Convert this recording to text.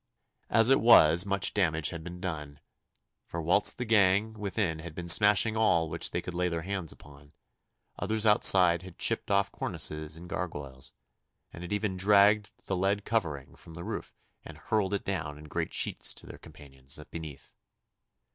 As it was, much damage had been done; for whilst the gang within had been smashing all which they could lay their hands upon, others outside had chipped off cornices and gargoyles, and had even dragged the lead covering from the roof and hurled it down in great sheets to their companions beneath.